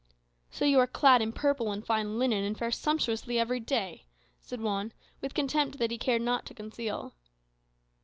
"So you are clad in purple and fine linen, and fare sumptuously every day," said Juan, with contempt that he cared not to conceal.